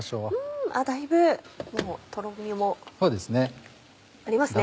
んだいぶもうとろみもありますね。